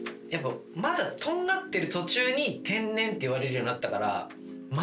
まだとんがってる途中に天然って言われるようになったから。